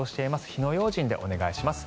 火の用心でお願いします。